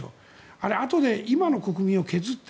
あれ、あとで今の国民を削って。